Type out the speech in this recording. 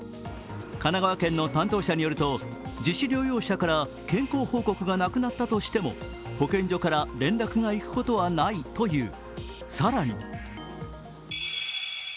神奈川県の担当者によると自主療養者から健康報告がなくなったとしても保健所から連絡がいくことはないという。